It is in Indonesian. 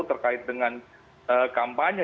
terkait dengan kampanye